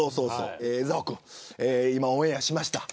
えざお君今、オンエアしました。